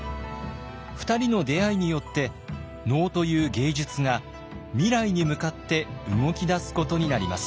２人の出会いによって能という芸術が未来に向かって動き出すことになります。